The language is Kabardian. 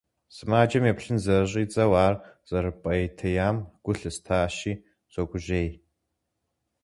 Сымаджэм еплъын зэрыщӀидзэу, ар зэрыпӀейтеям гу лъыстащи, согужьей.